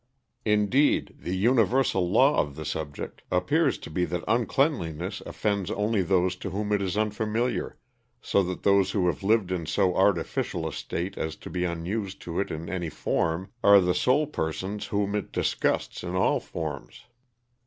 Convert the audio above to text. Indeed, the universal law of the subject appears to be that uncleanliness offends only those to whom it is unfamiliar, so that those who have lived in so artificial a state as to be unused to it in any form, are the sole persons whom it disgusts in all forms.